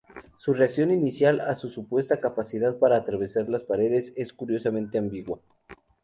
Su reacción inicial a su supuesta capacidad para atravesar las paredes es curiosamente ambigua.